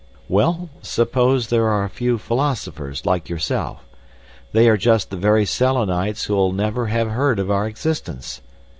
"Well, suppose there are a few philosophers like yourself. They are just the very Selenites who'll never have heard of our existence.